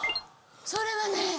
それはね